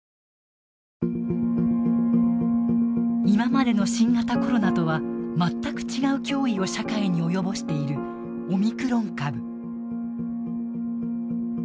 今までの新型コロナとは全く違う脅威を社会に及ぼしているオミクロン株。